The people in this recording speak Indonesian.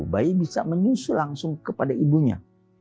bayi bisa menyusu langsung kepada ibunya